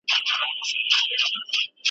له شهیده څه خبر دي پر دنیا جنتیان سوي .